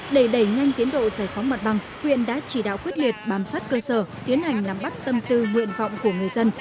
để đẩy nhanh tiến độ giải phóng mặt bằng huyện đã chỉ đạo quyết liệt bám sát cơ sở tiến hành nắm bắt tâm tư nguyện vọng của người dân